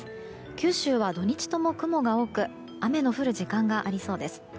九州は土日とも雲が多く雨の降る時間がありそうです。